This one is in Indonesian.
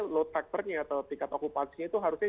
low factor nya atau tingkat okupasinya itu harusnya